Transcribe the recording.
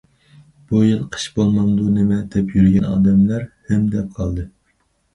بۇ يىل قىش بولمامدۇ، نېمە؟ دەپ يۈرگەن ئادەملەر ھىم، دەپلا قالدى.